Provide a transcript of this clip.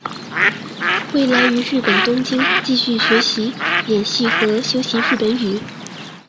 未来于日本东京继续学习演戏和修习日本语。